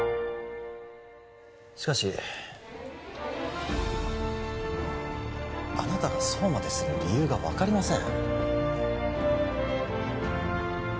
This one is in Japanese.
しかしあなたがそうまでする理由が分かりません